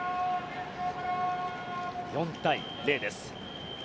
４対０です。